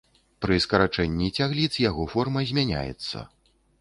Пры скарачэнні цягліц яго форма змяняецца.